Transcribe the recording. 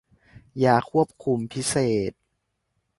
ยาควบคุมพิเศษ